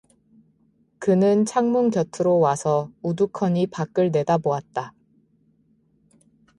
그는 창문 곁으로 와서 우두커니 밖을 내다보았다.